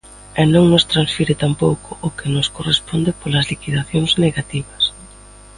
E non nos transfire tampouco o que nos corresponde polas liquidacións negativas.